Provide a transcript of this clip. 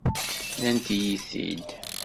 Nnant-iyi-t-id.